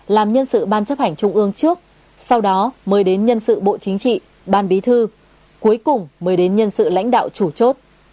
làm nhân sự ban chấp hành trung ương trước sau đó mới đến nhân sự bộ chính trị ban bí thư cuối cùng mới đến nhân sự lãnh đạo chủ chốt